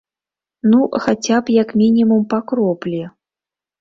Ну, хаця б, як мінімум, па кроплі.